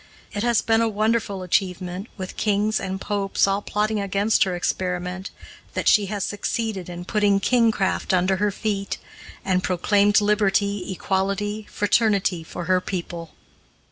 It has been a wonderful achievement, with kings and Popes all plotting against her experiment, that she has succeeded in putting kingcraft under her feet and proclaimed liberty, equality, fraternity for her people.